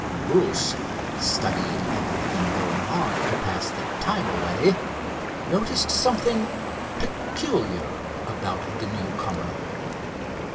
Bruce, studying everything going on to pass the time away, noticed something peculiar about the newcomer.